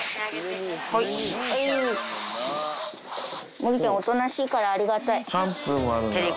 むぎちゃんおとなしいからありがたい。